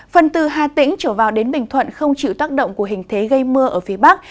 phần từ hà tĩnh trở vào đến bình thuận không chịu tác động của hình thế gây mưa ở phía bắc